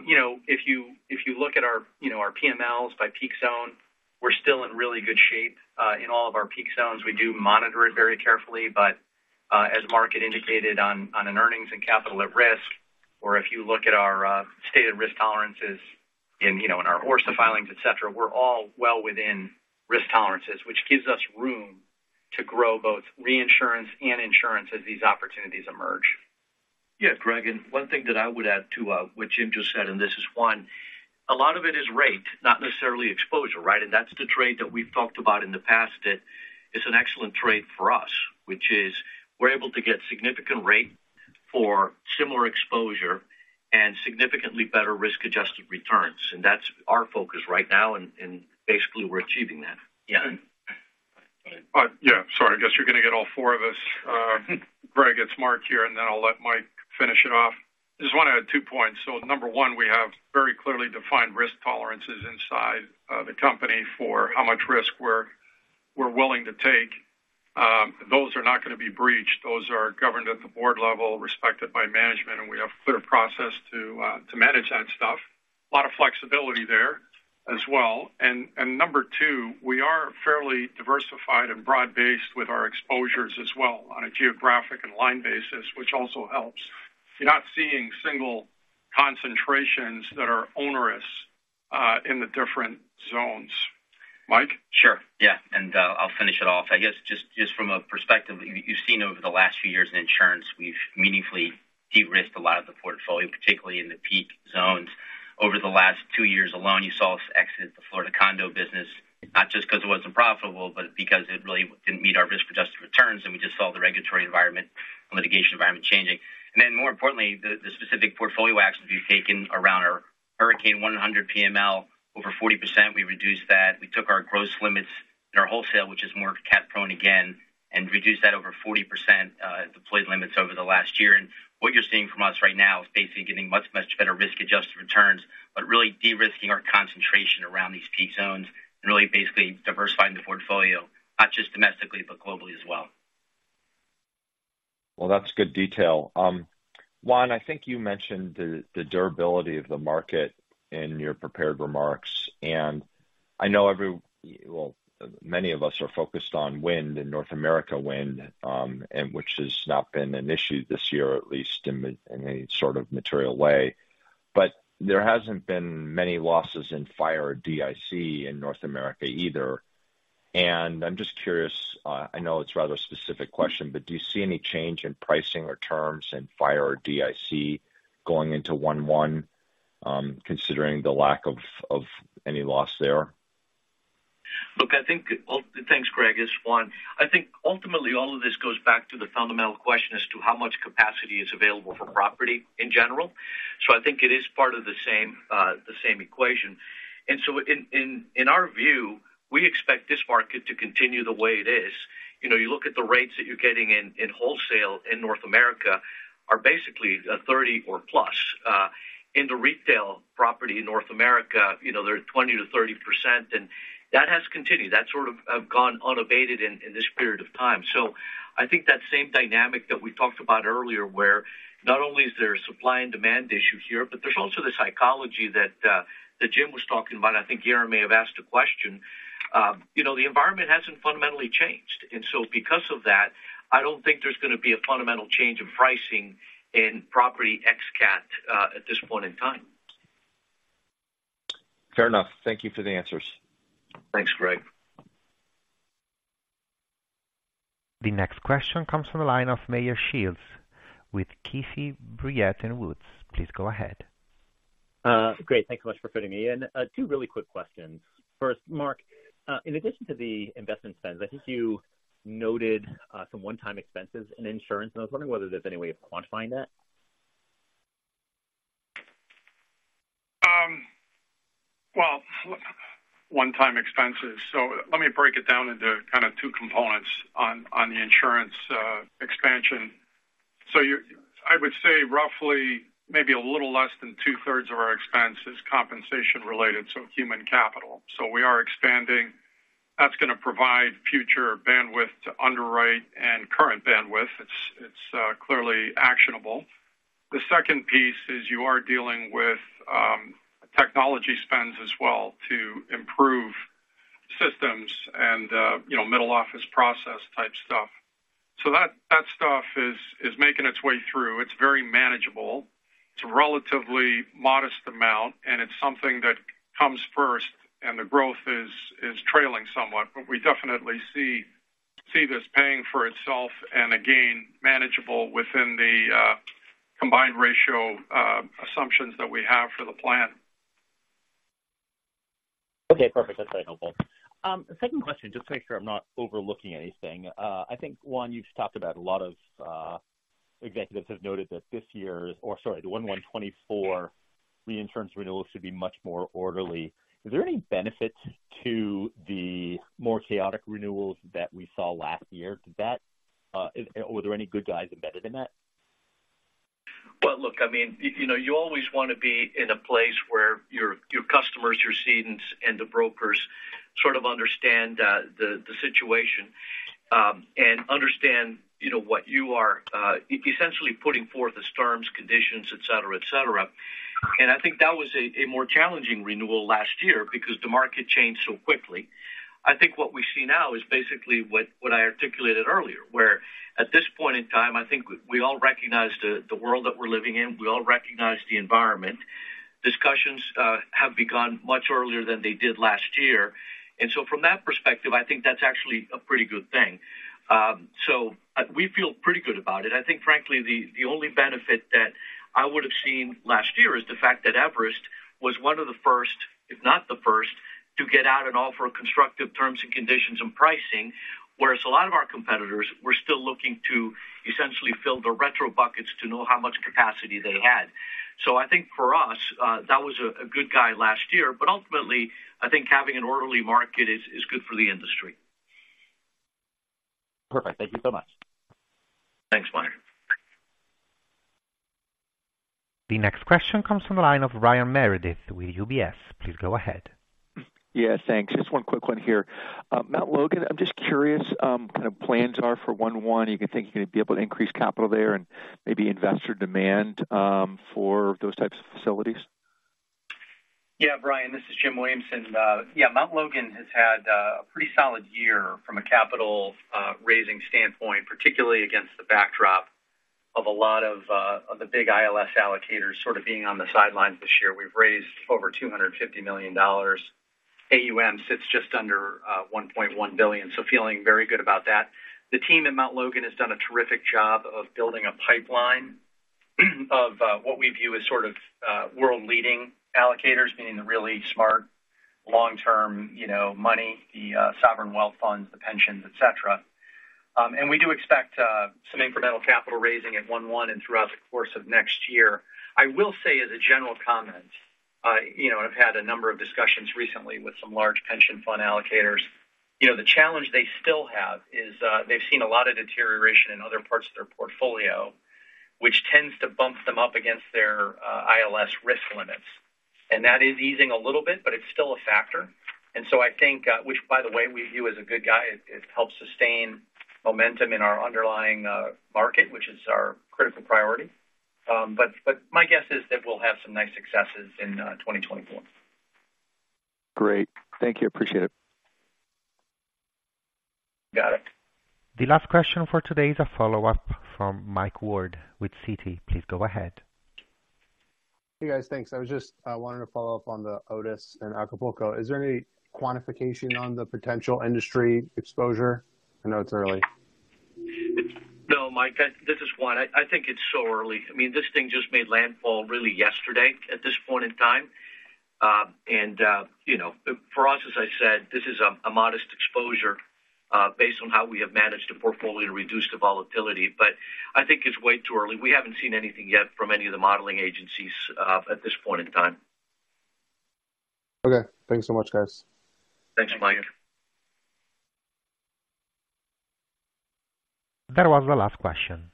You know, if you, if you look at our, you know, our PMLs by peak zone, we're still in really good shape, in all of our peak zones. We do monitor it very carefully, but, as Mark had indicated on, on an earnings and capital at risk, or if you look at our, stated risk tolerances in, you know, in our ORSA filings, et cetera, we're all well within risk tolerances, which gives us room to grow both reinsurance and insurance as these opportunities emerge. Yeah, Greg, and one thing that I would add to what Jim just said, and this is, one, a lot of it is rate, not necessarily exposure, right? And that's the trade that we've talked about in the past that is an excellent trade for us, which is we're able to get significant rate for similar exposure and significantly better risk-adjusted returns. And that's our focus right now, and basically, we're achieving that. Yeah. Yeah, sorry. I guess you're going to get all four of us. Greg, it's Mark here, and then I'll let Mike finish it off. Just want to add two points. So number one, we have very clearly defined risk tolerances inside the company for how much risk we're willing to take. Those are not going to be breached. Those are governed at the board level, respected by management, and we have clear process to manage that stuff. A lot of flexibility there as well. And number two, we are fairly diversified and broad-based with our exposures as well on a geographic and line basis, which also helps. You're not seeing single concentrations that are onerous in the different zones. Mike? Sure. Yeah, and I'll finish it off. I guess just, just from a perspective, you've, you've seen over the last few years in insurance, we've meaningfully de-risked a lot of the portfolio, particularly in the peak zones. Over the last 2 years alone, you saw us exit the Florida condo business, not just because it wasn't profitable, but because it really didn't meet our risk-adjusted returns, and we just saw the regulatory environment, litigation environment changing. And then, more importantly, the specific portfolio actions we've taken around our hurricane 100 PML, over 40%, we reduced that. We took our gross limits in our wholesale, which is more cat prone again, and reduced that over 40%, deployed limits over the last year. What you're seeing from us right now is basically getting much, much better risk-adjusted returns, but really de-risking our concentration around these peak zones and really basically diversifying the portfolio, not just domestically, but globally as well. Well, that's good detail. Juan, I think you mentioned the, the durability of the market in your prepared remarks, and I know well, many of us are focused on wind and North America wind, and which has not been an issue this year, at least in a sort of material way. But there hasn't been many losses in fire or DIC in North America either. And I'm just curious, I know it's rather a specific question, but do you see any change in pricing or terms in fire or DIC going into 1/1, considering the lack of any loss there? Look, I think—thanks, Greg. It's Juan. I think ultimately, all of this goes back to the fundamental question as to how much capacity is available for property in general. So I think it is part of the same, the same equation. And so in our view, we expect this market to continue the way it is. You know, you look at the rates that you're getting in wholesale in North America are basically 30 or plus. In the retail property in North America, you know, they're 20%-30%, and that has continued. That sort of gone unabated in this period of time. So I think that same dynamic that we talked about earlier, where not only is there supply and demand issue here, but there's also the psychology that that Jim was talking about. I think Aaron may have asked a question... you know, the environment hasn't fundamentally changed, and so because of that, I don't think there's going to be a fundamental change in pricing in Property ex cat, at this point in time. Fair enough. Thank you for the answers. Thanks, Greg. The next question comes from the line of Meyer Shields with Keefe, Bruyette & Woods. Please go ahead. Great. Thanks so much for fitting me in. Two really quick questions. First, Mark, in addition to the investment spends, I think you noted some one-time expenses in insurance, and I was wondering whether there's any way of quantifying that? Well, one-time expenses. So let me break it down into kind of two components on, on the insurance expansion. So you, I would say roughly maybe a little less than 2/3 of our expense is compensation-related, so human capital. So we are expanding. That's going to provide future bandwidth to underwrite and current bandwidth. It's, it's clearly actionable. The second piece is you are dealing with technology spends as well to improve systems and you know, middle office process type stuff. So that stuff is making its way through. It's very manageable. It's a relatively modest amount, and it's something that comes first and the growth is trailing somewhat. But we definitely see this paying for itself and, again, manageable within the combined ratio assumptions that we have for the plan. Okay, perfect. That's very helpful. Second question, just to make sure I'm not overlooking anything. I think, one, you've talked about a lot of executives have noted that this year's, or sorry, the 2024 reinsurance renewals should be much more orderly. Is there any benefit to the more chaotic renewals that we saw last year? Did that... Were there any good guys embedded in that? Well, look, I mean, you know, you always want to be in a place where your, your customers, your cedents, and the brokers sort of understand the situation, and understand, you know, what you are essentially putting forth as terms, conditions, et cetera, et cetera. And I think that was a more challenging renewal last year because the market changed so quickly. I think what we see now is basically what I articulated earlier, where at this point in time, I think we all recognize the world that we're living in, we all recognize the environment. Discussions have begun much earlier than they did last year. And so from that perspective, I think that's actually a pretty good thing. So we feel pretty good about it. I think, frankly, the only benefit that I would have seen last year is the fact that Everest was one of the first, if not the first, to get out and offer constructive terms and conditions and pricing, whereas a lot of our competitors were still looking to essentially fill their retro buckets to know how much capacity they had. So I think for us, that was a good guy last year, but ultimately, I think having an orderly market is good for the industry. Perfect. Thank you so much. Thanks, Meyer. The next question comes from the line of Brian Meredith with UBS. Please go ahead. Yes, thanks. Just one quick one here. Mount Logan, I'm just curious, kind of plans are for 1/1. You can think you're going to be able to increase capital there and maybe investor demand, for those types of facilities? Yeah, Brian, this is Jim Williamson. Yeah, Mount Logan has had a pretty solid year from a capital raising standpoint, particularly against the backdrop of a lot of the big ILS allocators sort of being on the sidelines this year. We've raised over $250 million. AUM sits just under $1.1 billion, so feeling very good about that. The team at Mount Logan has done a terrific job of building a pipeline of what we view as sort of world-leading allocators, meaning the really smart long-term, you know, money, the sovereign wealth funds, the pensions, et cetera. And we do expect some incremental capital raising at 1/1 and throughout the course of next year. I will say as a general comment, you know, I've had a number of discussions recently with some large pension fund allocators. You know, the challenge they still have is, they've seen a lot of deterioration in other parts of their portfolio, which tends to bump them up against their, ILS risk limits. And that is easing a little bit, but it's still a factor. And so I think, which, by the way, we view as a good guy, it, it helps sustain momentum in our underlying, market, which is our critical priority. But, but my guess is that we'll have some nice successes in, 2024. Great. Thank you. Appreciate it. Got it. The last question for today is a follow-up from Mike Ward with Citi. Please go ahead. Hey, guys. Thanks. I was just wanting to follow up on the Otis and Acapulco. Is there any quantification on the potential industry exposure? I know it's early. No, Mike, this is Juan. I think it's so early. I mean, this thing just made landfall really yesterday at this point in time. And you know, for us, as I said, this is a modest exposure based on how we have managed the portfolio to reduce the volatility, but I think it's way too early. We haven't seen anything yet from any of the modeling agencies at this point in time. Okay. Thanks so much, guys. Thanks, Mike. That was the last question.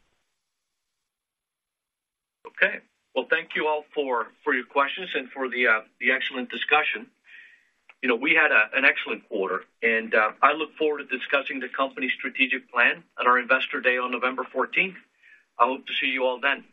Okay. Well, thank you all for your questions and for the excellent discussion. You know, we had an excellent quarter, and I look forward to discussing the company's strategic plan at our Investor Day on November fourteenth. I hope to see you all then.